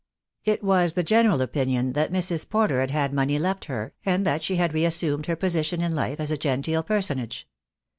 It was the general opinion that Mrs. Porter had had money left her, and that she had reassumed her position in life as a genteel personage.